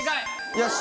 よし！